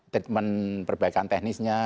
treatment perbaikan teknisnya